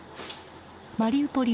マリウポリ